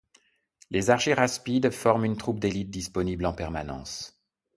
Les argyraspides forment une troupe d'élite disponible en permanence.